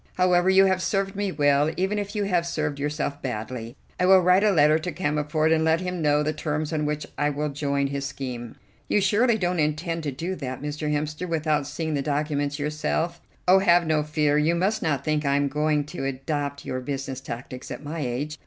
"However, you have served me well, even if you have served yourself badly. I will write a letter to Cammerford and let him know the terms on which I will join his scheme." "You surely don't intend to do that, Mr. Hemster, without seeing the documents yourself?" "Oh, have no fear; you must not think I am going to adopt your business tactics at my age.